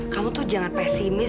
kamu tuh jangan pesimis